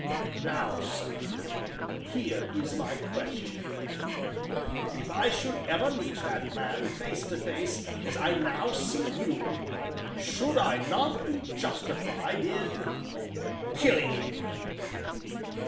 Now, sir, here is my question: If I should ever meet that man face to face, as I now see you, should I not be justified in killing him?"